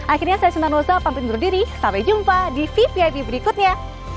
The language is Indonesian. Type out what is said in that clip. akhirnya saya sunan rosa pamit berdiri sampai jumpa di vvip berikutnya